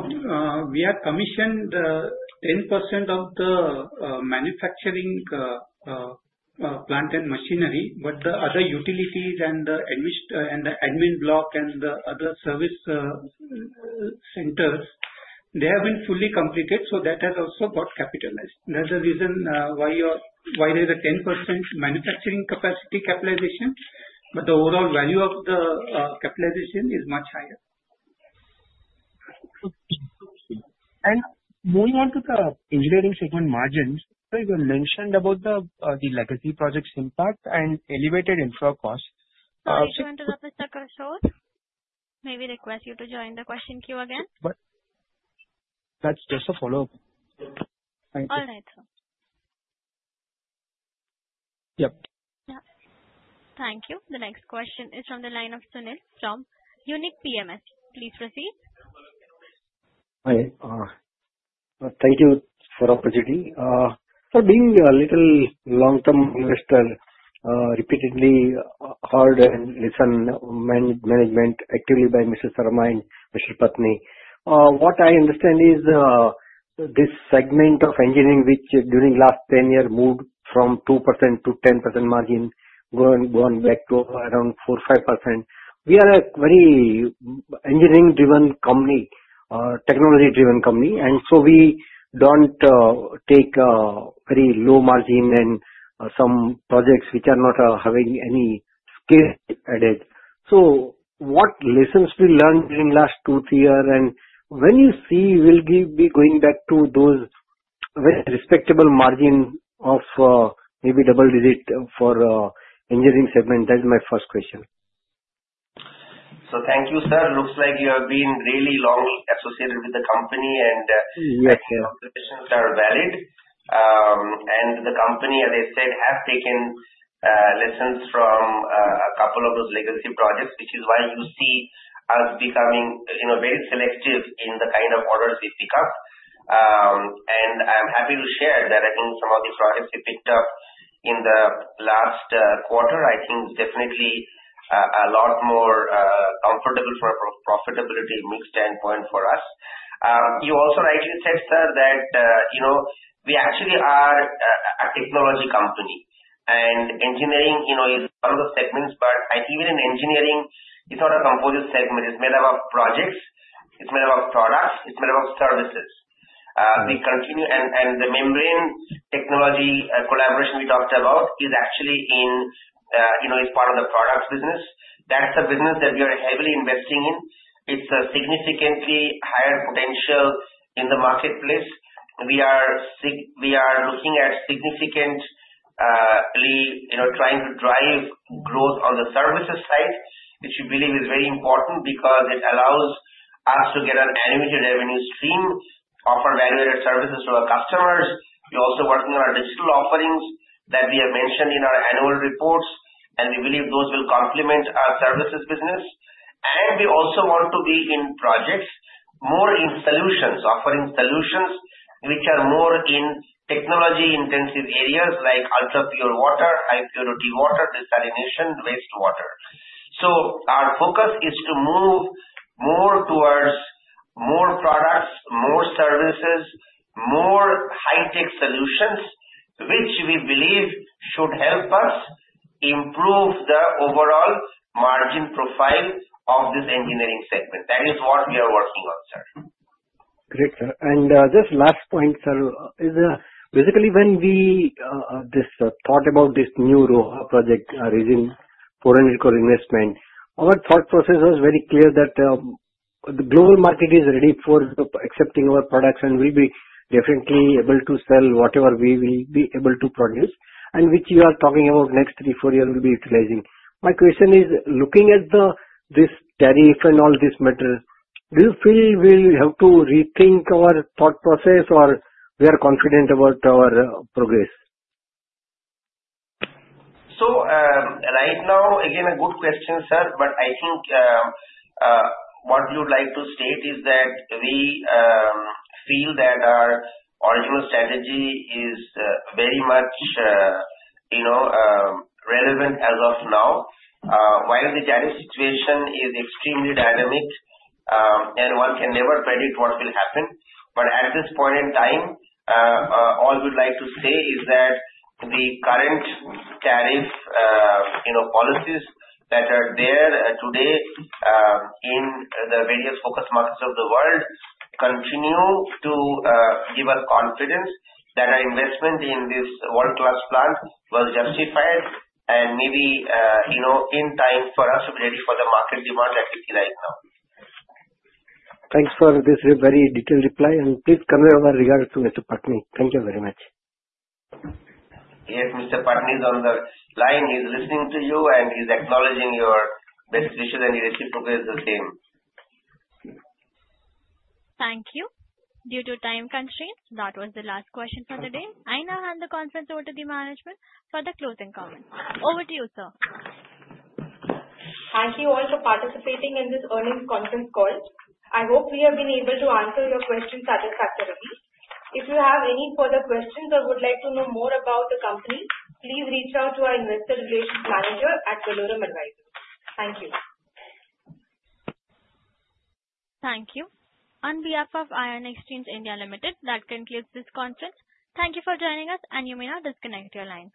We have commissioned 10% of the manufacturing plant and machinery, the other utilities and the admin block and the other service centers, they have been fully completed, that has also got capitalized. That's the reason why there's a 10% manufacturing capacity capitalization, the overall value of the capitalization is much higher. Moving on to the engineering segment margins, sir, you mentioned about the legacy projects impact and elevated infra costs. Sir, you want to wrap it up or so? May we request you to join the question queue again? That's just a follow-up. Thank you. All right, sir. Yep. Yeah. Thank you. The next question is from the line of Sunil from Unique PMS. Please proceed. Hi. Thank you for the opportunity. Sir, being a little long-term investor, repeatedly heard and listened management actively by Mr. Sarma and Mr. Patni. What I understand is, this segment of engineering, which during last 10 years moved from 2%-10% margin, going back to around 4%, 5%. We are a very engineering-driven company, technology-driven company, and we don't take very low margin and some projects which are not having any scale added. What lessons we learned during last two, three years, and when you see will we be going back to those very respectable margin of maybe double-digit for engineering segment? That is my first question. Thank you, sir. Looks like you have been really long associated with the company. Yes I think your observations are valid. The company, as I said, has taken lessons from a couple of those legacy projects, which is why you see us becoming very selective in the kind of orders we pick up. I am happy to share that I think some of the projects we picked up in the last quarter, I think definitely a lot more comfortable from a profitability mix standpoint for us. You also rightly said, sir, that we actually are a technology company and engineering is one of the segments, but even in engineering, it is not a composite segment. It is made up of projects, it is made up of products, it is made up of services. The membrane technology collaboration we talked a lot is actually part of the products business. That is the business that we are heavily investing in. It is a significantly higher potential in the marketplace. We are looking at significantly trying to drive growth on the services side, which we believe is very important because it allows us to get an annual revenue stream, offer value-added services to our customers. We are also working on our digital offerings that we have mentioned in our annual reports, we believe those will complement our services business. We also want to be in projects, more in solutions, offering solutions which are more in technology-intensive areas like ultra-pure water, high-purity water, desalination, wastewater. Our focus is to move more towards more products, more services, more high-tech solutions, which we believe should help us improve the overall margin profile of this engineering segment. That is what we are working on, sir. Great, sir. Just last point, sir. Basically, when we thought about this new Roha project raising foreign recall investment, our thought process was very clear that the global market is ready for accepting our products, and we'll be definitely able to sell whatever we will be able to produce, and which you are talking about next three, four years we'll be utilizing. My question is, looking at this tariff and all this matter, do you feel we'll have to rethink our thought process, or we are confident about our progress? Right now, again, a good question, sir. I think what we would like to state is that we feel that our original strategy is very much relevant as of now. While the tariff situation is extremely dynamic, and one can never predict what will happen. At this point in time, all we'd like to say is that the current tariff policies that are there today in the various focus markets of the world continue to give us confidence that our investment in this world-class plant was justified and maybe in time for us ready for the market demand that we see right now. Thanks for this very detailed reply. Please convey our regards to Mr. Patni. Thank you very much. Yes, Mr. Patni is on the line. He's listening to you, and he's acknowledging your best wishes and he wishes you progress the same. Thank you. Due to time constraints, that was the last question for the day. I now hand the conference over to the management for the closing comments. Over to you, sir. Thank you all for participating in this earnings conference call. I hope we have been able to answer your questions satisfactorily. If you have any further questions or would like to know more about the company, please reach out to our investor relations manager at Valorem Advisors. Thank you. Thank you. On behalf of Ion Exchange (India) Limited, that concludes this conference. Thank you for joining us, and you may now disconnect your lines.